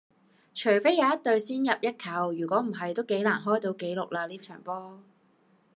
除非有一隊先入一球,如果唔係都幾難開到紀錄啦呢場波